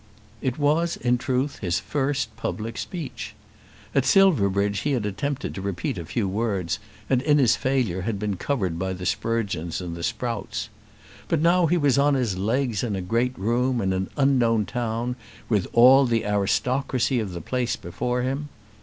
It was in truth his first public speech. At Silverbridge he had attempted to repeat a few words, and in his failure had been covered by the Sprugeons and the Sprouts. But now he was on his legs in a great room, in an unknown town, with all the aristocracy of the place before him!